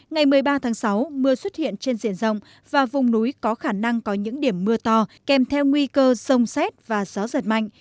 ngày một mươi ba tháng sáu mưa xuất hiện trên diện rộng và vùng núi có khả năng có những điểm mưa to kèm theo nguy cơ sông xét và gió giật mạnh